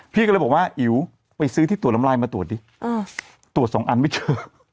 พี่ก็เลยบอกว่าอิ๋วไปซื้อที่ตรวจน้ำลายมาตรวจดิตรวจสองอันไม่เจอ